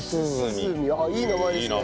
あっいい名前ですね。